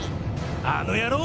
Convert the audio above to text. あの野郎！